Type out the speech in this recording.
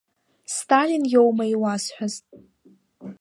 Сталин иоума иуазҳәаз?